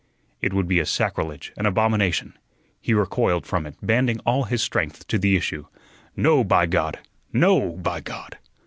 It would be a sacrilege, an abomination. He recoiled from it, banding all his strength to the issue. "No, by God! No, by God!"